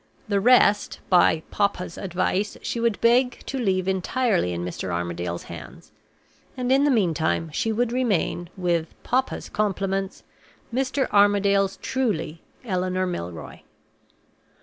The rest, by "papa's" advice, she would beg to leave entirely in Mr. Armadale's hands; and, in the meantime, she would remain, with "papa's" compliments, Mr. Armadale's truly ELEANOR MILROY.